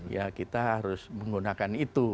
ya kita harus menggunakan itu